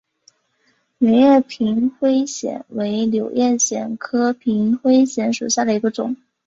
圆叶平灰藓为柳叶藓科平灰藓属下的一个种。